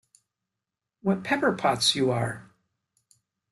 What pepper-pots you are!